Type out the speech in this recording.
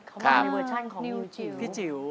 เขามาในเวอร์ชันของพี่จิ๋ว